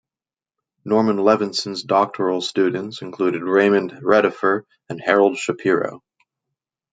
Norman Levinson's doctoral students include Raymond Redheffer and Harold Shapiro.